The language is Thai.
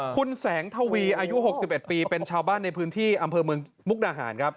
คุณแสงทวีอายุ๖๑ปีเป็นชาวบ้านในพื้นที่อำเภอเมืองมุกดาหารครับ